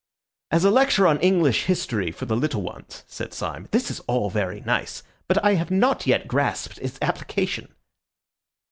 "As a lecture on English history for the little ones," said Syme, "this is all very nice; but I have not yet grasped its application."